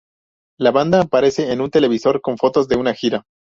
La banda aparece en un televisor con fotos de una gira.